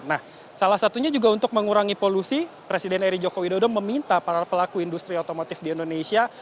nah salah satunya juga untuk mengurangi polusi presiden eri joko widodo meminta para pelaku industri otomotif di indonesia